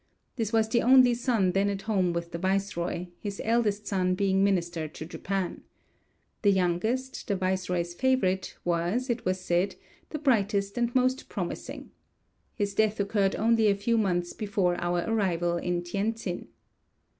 This was the only son then at home with the viceroy, his eldest son being minister to Japan. The youngest, the viceroy's favorite, was, it was said, the brightest and most promising. His death occurred only a few months before our arrival in Tientsin.